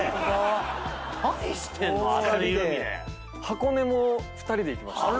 箱根も２人で行きました。